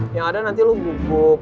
yang ada nanti lo bubuk